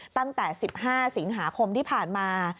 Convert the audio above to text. ตั้งแต่๑๕สิงหาคมที่ผ่านมา